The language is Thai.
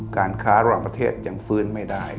การค้าระหว่างประเทศยังฟื้นไม่ได้